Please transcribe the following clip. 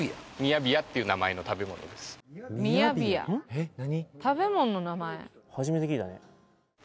・えっ何？